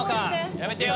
やめてよ！